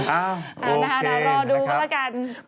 อ่าโอเคนะครับครับอ่าเรารอดูกันแล้วกัน